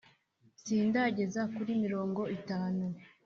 sindageza kuri mirongo itanu